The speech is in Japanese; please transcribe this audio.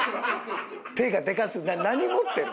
手がでかすぎ何持ってるん？